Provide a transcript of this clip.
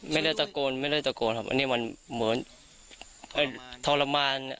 ไม่ได้ตะโกนไม่ได้ตะโกนครับอันนี้มันเหมือนทรมาน